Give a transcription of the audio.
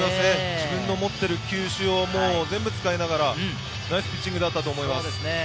自分の持っている球種を全て使いながらナイスピッチングだったと思いますね。